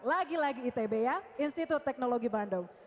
lagi lagi itb ya institut teknologi bandung